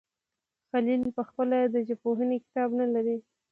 خلیل پخپله د ژبپوهنې کتاب نه لري.